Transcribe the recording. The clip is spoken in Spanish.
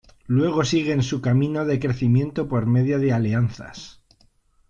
Luego sigue en su camino de crecimiento por medio de alianzas.